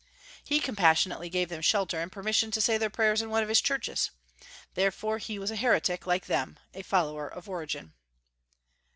He compassionately gave them shelter, and permission to say their prayers in one of his churches. Therefore he was a heretic, like them, a follower of Origen.